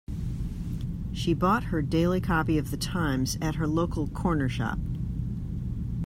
She bought her daily copy of The Times at her local corner shop